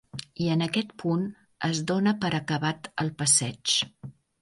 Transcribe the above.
I, en aquest punt, es dóna per acabat el passeig.